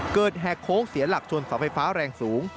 แหกโค้งเสียหลักชนเสาไฟฟ้าแรงสูง